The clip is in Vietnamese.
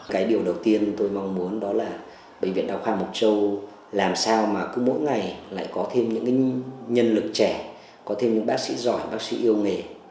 cái điều đầu tiên tôi mong muốn đó là bệnh viện đa khoa mộc châu làm sao mà cứ mỗi ngày lại có thêm những nhân lực trẻ có thêm những bác sĩ giỏi bác sĩ yêu nghề